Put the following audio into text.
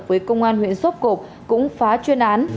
với công an huyện sốt cột cũng phá chuyên án